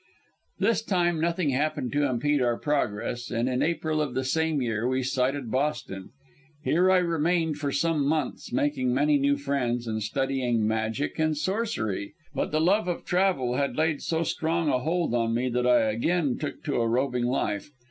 "This time nothing happened to impede our progress, and in April of the same year, we sighted Boston. Here I remained for some months, making many new friends, and studying magic and sorcery. But the love of travel had laid so strong a hold on me that I again took to a roving life.